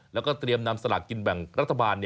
แล้วก็เตรียมนำสลากกินแบ่งรัฐบาล